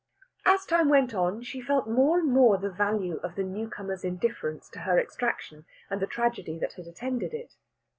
As time went on she felt more and more the value of the newcomer's indifference to her extraction and the tragedy that had attended it.